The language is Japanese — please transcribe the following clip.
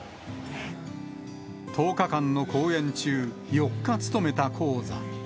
１０日間の公演中、４日務めた高座。